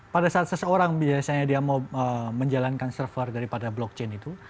pada saat seseorang biasanya dia mau menjalankan server daripada blockchain itu